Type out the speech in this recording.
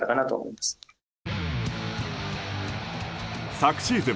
昨シーズン